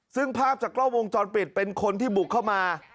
ซึ่งภาพจากกล้องวงจรปิดเป็นคนที่บุกเข้ามา